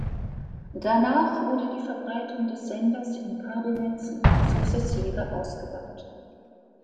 Danach wurde die Verbreitung des Senders in Kabelnetzen sukzessive ausgebaut.